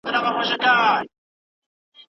شیدې بې غوا نه وي.